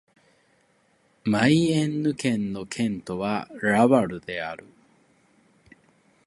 マイエンヌ県の県都はラヴァルである